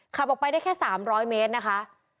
ขับออกไปได้แค่๓๐๐เมตรนะคะ